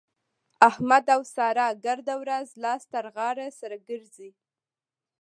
احمد او سارا ګرده ورځ لاس تر غاړه سره ګرځي.